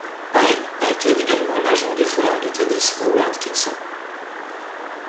Pyle a été également l'agent du joueur de tennis Howard Kinsey.